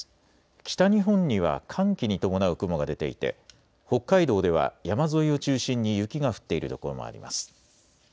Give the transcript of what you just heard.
北日本には寒気に伴う雲が出ていて北海道では山沿いを中心に雪が降っている所もあります。